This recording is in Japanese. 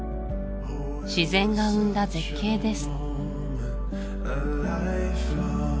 自然が生んだ絶景です